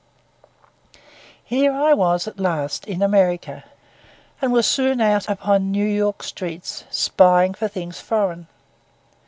Here I was at last in America, and was soon out upon New York streets, spying for things foreign.